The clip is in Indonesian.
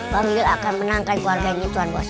bang wil akan menangkan keluarganya tuan bos